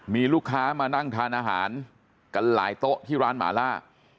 มีลูกค้ามานั่งทานอาหารกันหลายโต๊ะที่ร้านหมาล่า